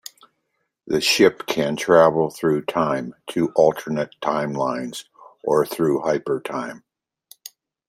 The ship can travel through time, to alternate timelines, or through hypertime.